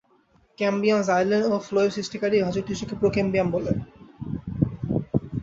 ক্যাম্বিয়াম, xylem ও phloem সৃষ্টিকারী ভাজক টিস্যুকে প্রোক্যাম্বিয়াম বলে।